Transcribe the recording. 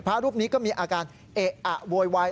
พระรูปนี้ก็มีอาการเอะอะโวยวาย